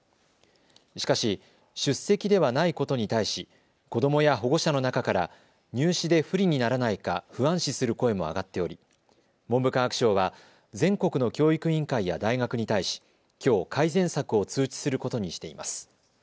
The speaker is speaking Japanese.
しかし出席ではないことに対し子どもや保護者の中から入試で不利にならないか不安視する声も上がっており文部科学省は全国の教育委員会や大学に対しきょう改善策を通知することにしています。